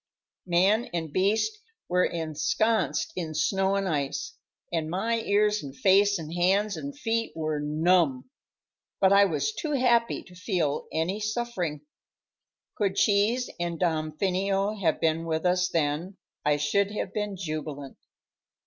Man and beast were ensconced in snow and ice, and my ears and face and hands and feet were numb; but I was too happy to feel any suffering. Could Cheese and Damfino have been with us then, I should have been jubilant.